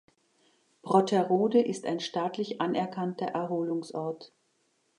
Brotterode ist ein staatlich anerkannter Erholungsort.